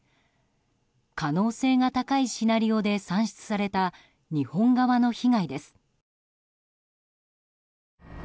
可能性が高いシナリオで算出された、日本側の被害です。